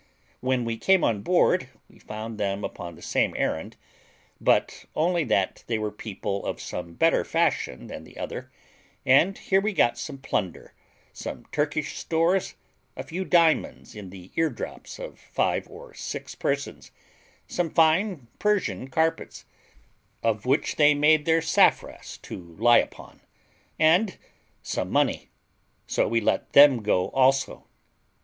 When we came on board we found them upon the same errand, but only that they were people of some better fashion than the other; and here we got some plunder, some Turkish stores, a few diamonds in the ear drops of five or six persons, some fine Persian carpets, of which they made their saffras to lie upon, and some money; so we let them go also.